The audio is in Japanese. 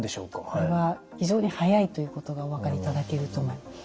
これは非常に速いということがお分かりいただけると思います。